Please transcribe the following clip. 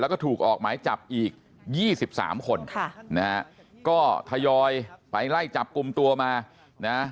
แล้วก็ถูกออกหมายจับอีกยี่สิบสามคนค่ะนะฮะก็ทยอยไปไล่จับกลุ่มตัวมานะ